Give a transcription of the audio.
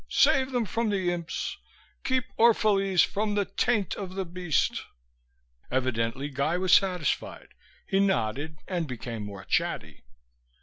Save them from the imps! Keep Orphalese from the taint of the beast!" Evidently Guy was satisfied. He nodded and became more chatty.